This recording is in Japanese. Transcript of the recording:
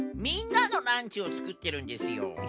みんなのランチをつくってるんですよ。